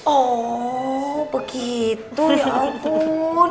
oh begitu ya ampun